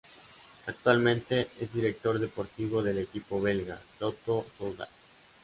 Actualmente es director deportivo del equipo belga, Lotto Soudal.